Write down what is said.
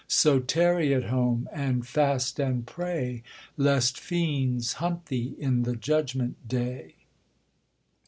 So tarry at home, and fast and pray, Lest fiends hunt thee in the judgment day.'